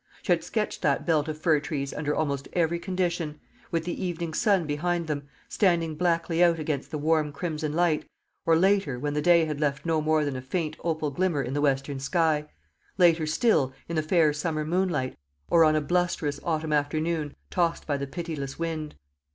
She had sketched that belt of fir trees under almost every condition with the evening sun behind them, standing blackly out against the warm crimson light; or later, when the day had left no more than a faint opal glimmer in the western sky; later still, in the fair summer moonlight, or en a blusterous autumn afternoon, tossed by the pitiless wind.